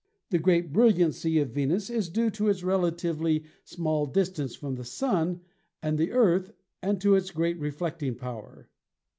The great brilliancy of Venus is due to its relatively small distance from the Sun and the Earth and to its great reflecting power.